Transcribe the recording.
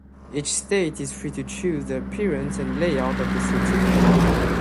Each state is free to choose the appearance and layout of the certificate.